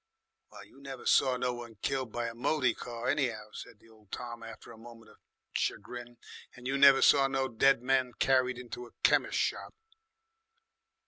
"Well, you never saw no one killed by a moty car, any'ow," said old Tom after a moment of chagrin. "And you never saw no dead men carried into a chemis' shop."